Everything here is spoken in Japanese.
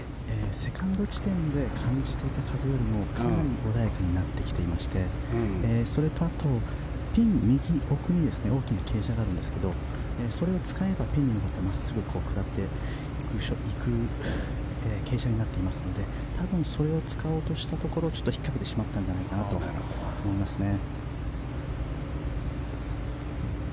セカンド地点で感じていた風よりもかなり穏やかになってきていましてそれとあと、ピン右奥に大きな傾斜があるんですがそれを使えばピンに向かって真っすぐ下っていく傾斜になっていますので多分、それを使おうとしたところひっかけてしまったんじゃないかと思いますね。